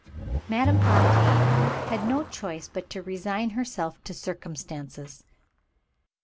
Madame Fontaine had no choice but to resign herself to circumstances.